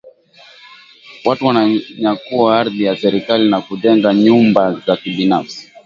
Watu wananyakua ardhi ya serikali na kujenga nyumba za kibinafsi